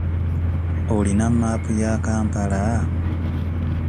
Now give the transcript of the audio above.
Olina maapu ya Kampala?